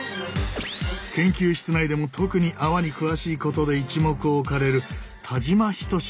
研究室内でも特に泡に詳しいことで一目置かれる田島準さんだ。